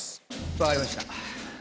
分かりました。